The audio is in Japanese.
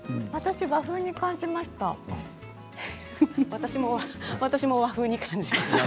私、和風に感じました。